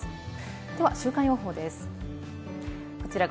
では週間予報です。